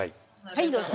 はいどうぞ。